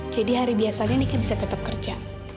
jadi hari biasanya niki bisa tetap kerja